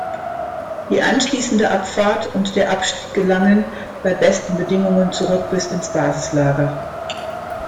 Die anschließende Abfahrt und der Abstieg gelangen bei besten Bedingungen zurück bis ins Basislager.